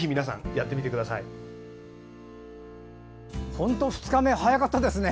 本当、２日目早かったですね。